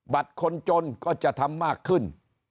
คนจนก็จะทำมากขึ้น